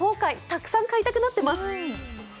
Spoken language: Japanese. たくさん買いたくなってます。